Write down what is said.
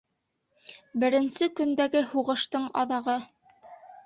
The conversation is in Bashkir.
БЕРЕНСЕ КӨНДӘГЕ ҺУҒЫШТЫҢ АҘАҒЫ